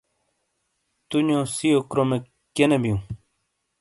تُونیو سِیو کرومیک کیئے نے بِیوں؟